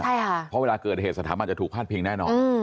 เพราะเวลาเกิดเหตุสถาบันจะถูกฟันเพียงแน่นอน